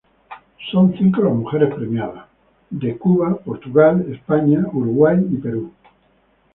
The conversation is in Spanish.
Son cinco las mujeres premiadas, de Cuba, Portugal, España, Uruguay y Perú.